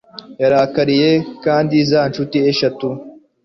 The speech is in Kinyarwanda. yarakariye kandi za ncuti eshatu